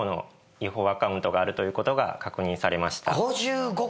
違法アカウントがあるということが確認されました。